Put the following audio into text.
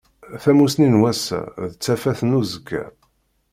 Tamusni n wass-a d tafat n uzekka